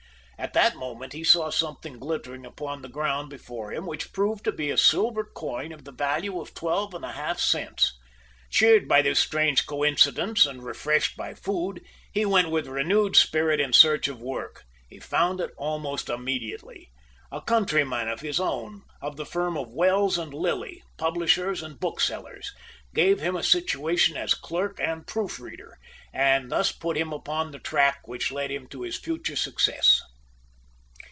At that moment he saw something glittering upon the ground before him, which proved to be a silver coin of the value of twelve and a half cents. Cheered by this strange coincidence, and refreshed by food, he went with renewed spirit in search of work. He found it almost immediately. A countryman of his own, of the firm of Wells & Lilly, publishers and booksellers, gave him a situation as clerk and proof reader, and thus put him upon the track which led him to his future success.